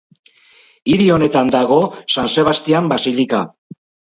Hiri honetan dago San Sebastian basilika.